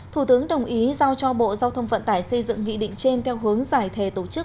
thủ tướng đồng ý giao cho bộ giao thông vận tải xây dựng nghị định trên theo hướng giải thề tổ chức